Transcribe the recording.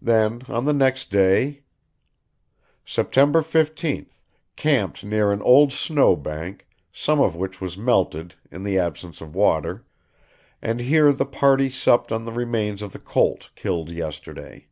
Then on the next day, "September 15th. Camped near an old snow bank, some of which was melted, in the absence of water; and here the party supped on the remains of the colt killed yesterday.